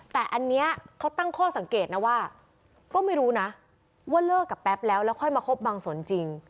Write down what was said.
แต่อันนี้เขาตั้งข้อสังเกตนะว่าก็ไม่รู้นะว่าเลิกกับแป๊บแล้วแล้วค่อยมาคบบางส่วนจริง